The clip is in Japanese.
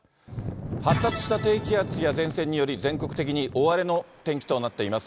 発達した低気圧や前線により、全国的に大荒れの天気となっています。